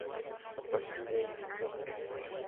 A partir de ahí, su vida cambia.